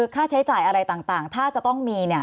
ค่าใช้จ่ายอะไรต่างถ้าจะต้องมี